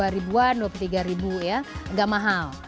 dua puluh dua ribuan dua puluh tiga ribu ya enggak mahal